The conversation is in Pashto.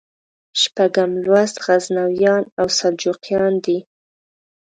شپږم لوست غزنویان او سلجوقیان دي.